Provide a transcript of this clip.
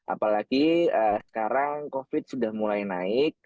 apalagi sekarang covid sudah mulai naik